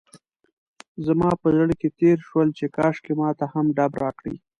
زما په زړه کې تېر شول چې کاشکې ماته هم ډب راکړي.